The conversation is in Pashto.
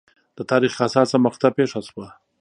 د تاریخ حساسه مقطعه پېښه شوه.